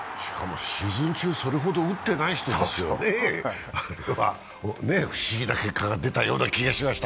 シーズン中、それほど打ってないですよ、不思議な力が出たような気がしました。